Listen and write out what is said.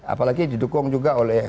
apalagi didukung juga oleh